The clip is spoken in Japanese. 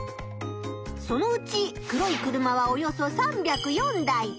そのうち黒い車はおよそ３０４台。